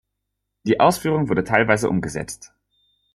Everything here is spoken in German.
Die Ausführung wurde teilweise umgesetzt.